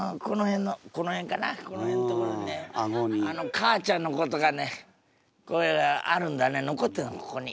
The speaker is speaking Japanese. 母ちゃんのことがねあるんだね残ってたのここに。